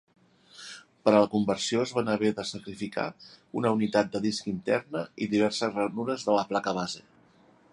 Per a la conversió es van haver de sacrificar una unitat de disc interna i diverses ranures de la placa base.